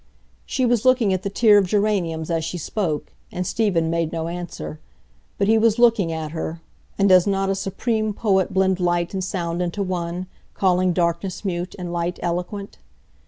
She was looking at the tier of geraniums as she spoke, and Stephen made no answer; but he was looking at her; and does not a supreme poet blend light and sound into one, calling darkness mute, and light eloquent?